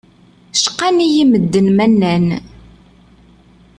Cqan-iyi medden ma nnan.